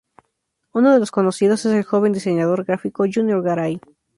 Uno de los conocidos es el joven diseñador gráfico Junior Garay.